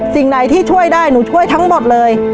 สิ่งไหนที่ช่วยได้หนูช่วยทั้งหมดเลย